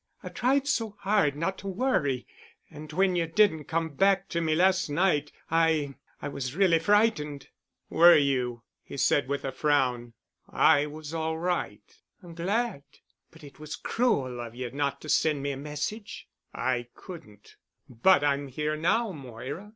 I've tried so hard not to worry and—and when you didn't come back to me last night, I—I was really frightened——" "Were you?" he said, with a frown. "I was all right." "I'm glad. But it was cruel of you not to send me a message." "I couldn't. But I'm here now, Moira.